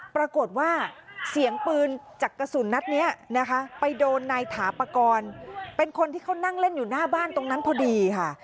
ปรากฏว่าเสียงปืนจากกระสุนนัดนี้นะคะไปโดนนายถาปากรเป็นคนที่เขานั่งเล่นอยู่หน้าบ้านตรงนั้นพอดีค่ะ